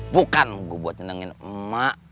bukan gue buat nyenengin emak